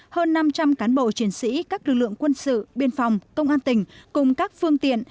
hơn năm trăm linh cán bộ chiến sĩ các lực lượng quân sự biên phòng công an tỉnh cùng các phương tiện